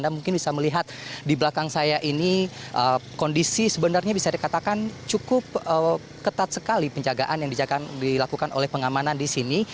anda mungkin bisa melihat di belakang saya ini kondisi sebenarnya bisa dikatakan cukup ketat sekali penjagaan yang dilakukan oleh pengamanan di sini